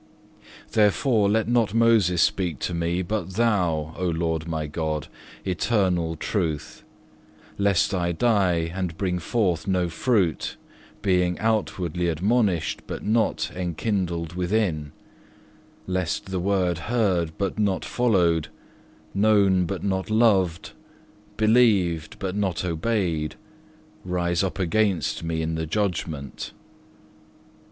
3. Therefore let not Moses speak to me, but Thou, O Lord my God, Eternal Truth; lest I die and bring forth no fruit, being outwardly admonished, but not enkindled within; lest the word heard but not followed, known but not loved, believed but not obeyed, rise up against me in the judgment.